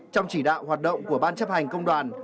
trong chỉ đạo hoạt động của ban chấp hành công đoàn